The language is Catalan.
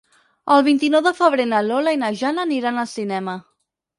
El vint-i-nou de febrer na Lola i na Jana aniran al cinema.